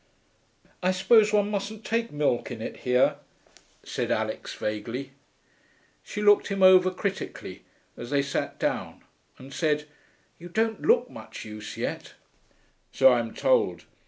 'I suppose one mustn't take milk in it here,' said Alix vaguely. She looked him over critically as they sat down, and said, 'You don't look much use yet.' 'So I am told.